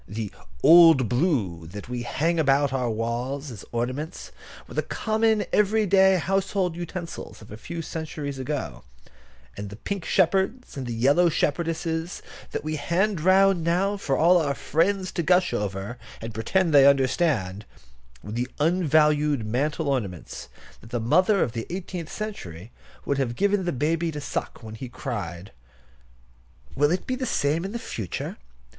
The "old blue" that we hang about our walls as ornaments were the common every day household utensils of a few centuries ago; and the pink shepherds and the yellow shepherdesses that we hand round now for all our friends to gush over, and pretend they understand, were the unvalued mantel ornaments that the mother of the eighteenth century would have given the baby to suck when he cried. Will it be the same in the future?